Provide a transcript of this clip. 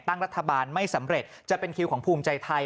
ตั้งรัฐบาลไม่สำเร็จจะเป็นคิวของภูมิใจไทย